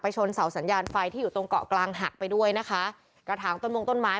ชนเสาสัญญาณไฟที่อยู่ตรงเกาะกลางหักไปด้วยนะคะกระถางต้นมงต้นไม้